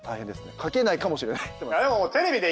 書けないかもしれない。